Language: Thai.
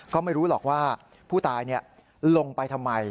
ก็ไม่รู้หรอกว่าผู้ตายลงไปทำไม